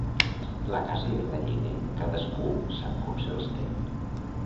La casa i el galliner cadascú sap com se'ls té.